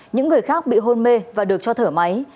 những người khác bị hôn mê và được cho thở máy